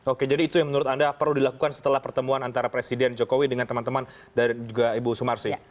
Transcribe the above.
oke jadi itu yang menurut anda perlu dilakukan setelah pertemuan antara presiden jokowi dengan teman teman dari juga ibu sumarsi